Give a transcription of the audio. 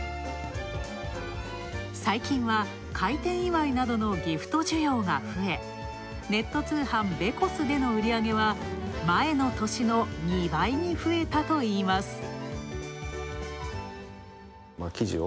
最近は、開店祝いなどのギフト需要がふえネット通販ベコスの売り上げは前の年の２倍に増えたといいます。